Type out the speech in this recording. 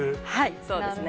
そうですね。